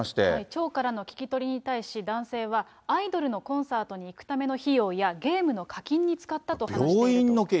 町からの聞き取りに対し、男性は、アイドルのコンサートに行くための費用や、ゲームの課金に使ったと話しているということです。